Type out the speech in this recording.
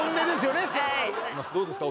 はいどうですか？